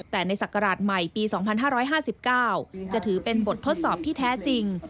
แต่ในศักราชใหม่ปี๒๕๕๙จะถือเป็นบททดสอบที่แท้จริง